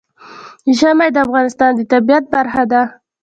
ژمی د افغانستان د طبیعت برخه ده.